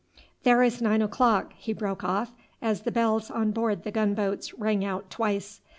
"There is nine o'clock," he broke off, as the bells on board the gun boats rang out twice.